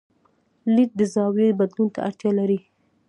لید د زاویې بدلون ته اړتیا لري.